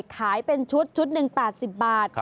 ขายเป็นชุดชุดหนึ่ง๘๐บาท